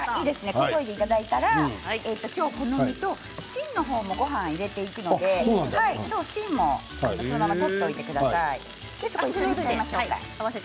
こそいでいただいたら今日はこの実と芯もごはんに入れていくので芯もそのまま取っておいてください。